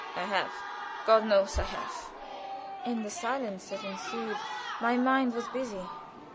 "I have. God knows I have." In the silence that ensued my mind was busy.